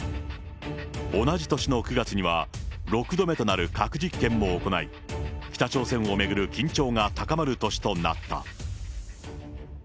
同じ年の９月には、６度目となる核実験も行い、北朝鮮を巡る緊張が高まる年となった。